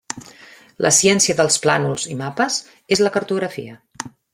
La ciència dels plànols i mapes és la cartografia.